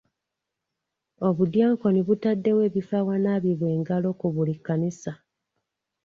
Obudyankoni butaddewo ebifo awanaabibwa engalo ku buli kkanisa.